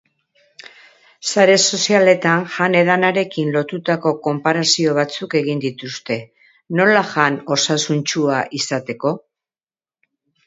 Sare sozialetan jan-edanarekin lotutako konparazio batzuk egin dituzte, nola jan osasuntsua izateko?